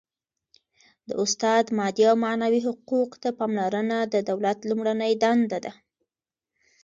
د استاد مادي او معنوي حقوقو ته پاملرنه د دولت لومړنۍ دنده ده.